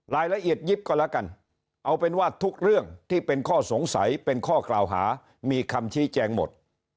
ยิบก็แล้วกันเอาเป็นว่าทุกเรื่องที่เป็นข้อสงสัยเป็นข้อกล่าวหามีคำชี้แจงหมด